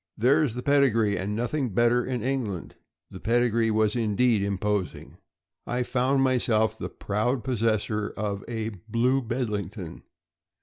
" There's the pedigree, and nothing better in England." The pedigree was indeed imposing. I found myself the proud possessor of a "Blue Bedlington.